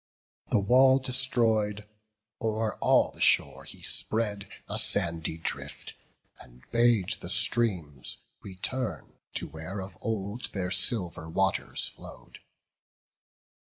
The wall destroy'd, o'er all the shore he spread A sandy drift; and bade the streams return To where of old their silver waters flow'd.